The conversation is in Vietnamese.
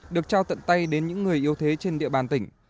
được trao tận tay đến những người yếu thế trên địa bàn tỉnh